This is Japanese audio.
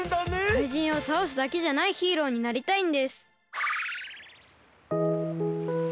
「かいじんをたおすだけじゃないヒーローになりたい」か。